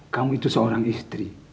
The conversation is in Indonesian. kamu itu seorang istri